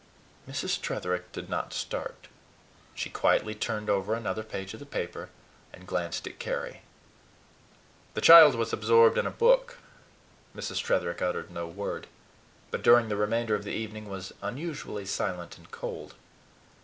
Mrs. Tretherick did not start. She quietly turned over another page of the paper, and glanced at Carry. The child was absorbed in a book. Mrs. Tretherick uttered no word, but during the remainder of the evening was unusually silent and cold.